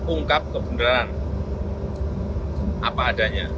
ungkap kebenaran apa adanya